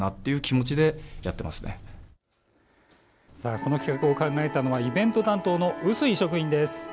この企画を考えたのはイベント担当の薄い職員です。